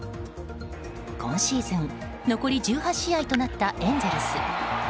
今シーズン残り１８試合となったエンゼルス。